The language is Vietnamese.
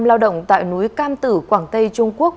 lao động tại núi cam tử quảng tây trung quốc